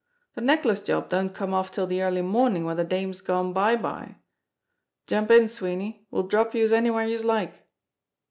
De necklace job don't come off till de early mornin' when de dame's gone bye bye. Jump in, Sweeney; we'll drop youse anywhere youse like."